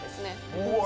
うわ！